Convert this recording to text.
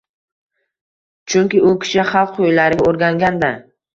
Chunki u kishi xalq kuylariga o’rgangan-da.